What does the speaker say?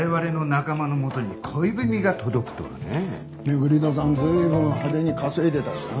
廻戸さん随分派手に稼いでたしな。